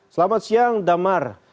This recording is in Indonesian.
selamat siang damar